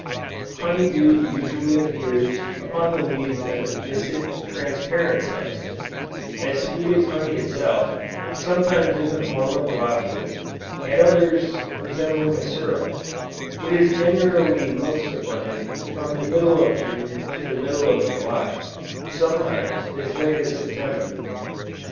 "Honey dew usually appears upon the leaves as a viscid, transparent substance, as sweet as honey itself, sometimes in the form of globules, at others resembling a syrup; it is generally most abundant from the middle of June to the middle of July, sometimes as late as September."